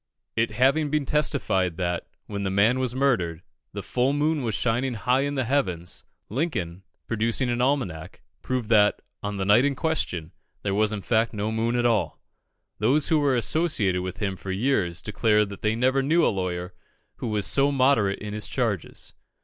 It having been testified that, when the man was murdered, the full moon was shining high in the heavens, Lincoln, producing an almanac, proved that, on the night in question, there was in fact no moon at all. Those who were associated with him for years declare that they never knew a lawyer who was so moderate in his charges.